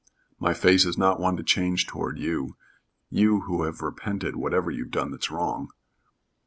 "My face is not one to change toward you you who have repented whatever you've done that's wrong."